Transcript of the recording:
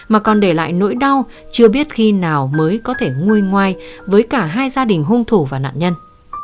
mà còn để lại nỗi đau chưa biết khi nào mới có thể nguôi ngoai với cả hai gia đình hung thủ và nạn nhân